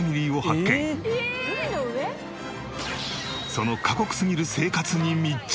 その過酷すぎる生活に密着。